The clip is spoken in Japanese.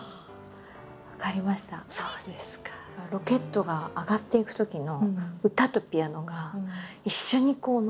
ロケットが上がっていくときの歌とピアノが一緒にのぼってる感じ。